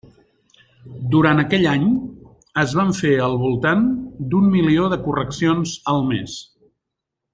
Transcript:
Durant aquell any es van fer al voltant d'un milió de correccions al mes.